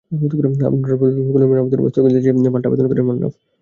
আবার ফজলুল করিমের আবেদন ওপর স্থগিতাদেশ চেয়ে পাল্টা আবেদন করেন মন্নাফ।